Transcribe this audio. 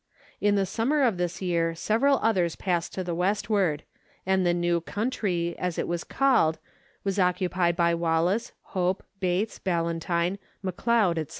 In the sum mer of this year several others passed to the westward, and the "new country," as it was called, was occupied by Wallace, Hope, Bates, Ballantyne, McLeod, &c.